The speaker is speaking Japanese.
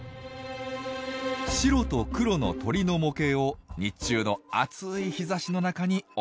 白と黒の鳥の模型を日中の暑い日ざしの中に置いておきます。